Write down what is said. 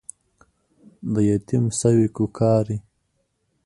د يتيم سوې کوکارې